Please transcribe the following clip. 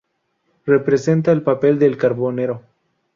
Representa el papel del carbonero.